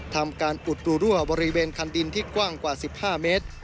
ทำการอุดรูรั่วบริเวณคันดินที่กว้างกว่า๑๕เมตร